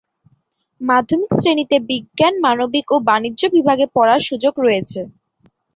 মাধ্যমিক শ্রেনীতে বিজ্ঞান, মানবিক ও বাণিজ্য বিভাগে পড়ার সুযোগ রয়েছে।